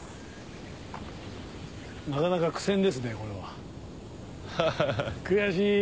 なかなか苦戦ですねこれは。悔しい。